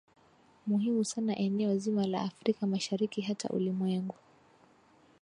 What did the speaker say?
muhimu sana eneo zima la afrika mashariki hata ulimwengu